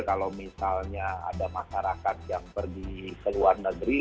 kalau misalnya ada masyarakat yang pergi ke luar negeri